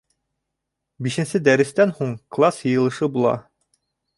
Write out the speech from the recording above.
Бишенсе дәрестән һуң класс йыйылышы була.